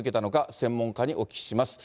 専門家にお聞きします。